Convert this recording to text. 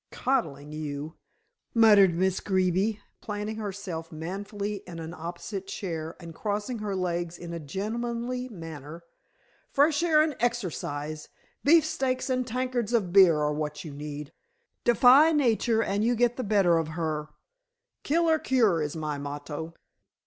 "Coddling you," muttered Miss Greeby, planting herself manfully in an opposite chair and crossing her legs in a gentlemanly manner. "Fresh air and exercise, beefsteaks and tankards of beer are what you need. Defy Nature and you get the better of her. Kill or cure is my motto."